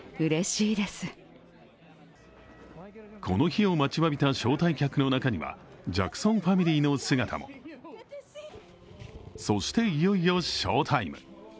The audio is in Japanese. この日を待ちわびた招待客の中には、ジャクソンファミリーの姿もそして、いよいよショータイム。